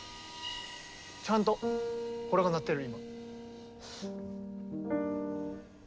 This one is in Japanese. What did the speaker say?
ちゃんとこれが鳴ってる今。